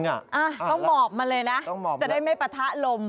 ต้องหมอบมาเลยนะจะได้ไม่ปะทะลม